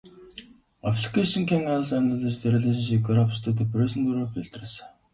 Applications can also analyze the relationship graphs to present various filters.